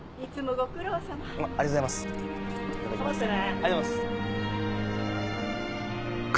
ありがとうございます。